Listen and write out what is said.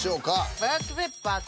ブラックペッパーと。